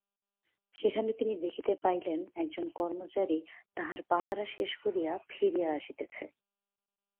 সেখানে তিনি দেখিতে পাইলেন একজন কর্মচারী তাঁহার পাহারা শেষ করিয়া ফিরিয়া আসিতেছে।